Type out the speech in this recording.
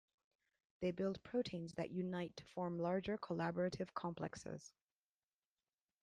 They build proteins that unite to form larger collaborative complexes.